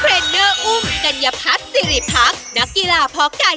เทรนเนอร์อุ้มกัญญาพัดสิริพักษ์นักกีฬาพอร์ไกรทีมชาติไทย